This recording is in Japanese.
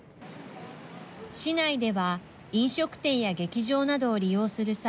市内では飲食店や劇場などを利用する際